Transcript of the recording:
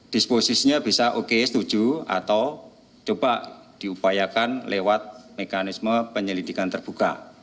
disposisinya bisa oke setuju atau coba diupayakan lewat mekanisme penyelidikan terbuka